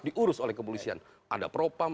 diurus oleh kepolisian ada propam